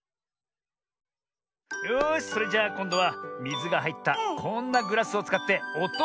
よしそれじゃあこんどはみずがはいったこんなグラスをつかっておとをだしてみよう。